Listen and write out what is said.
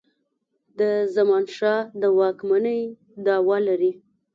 د زمانشاه د واکمنی دعوه لري.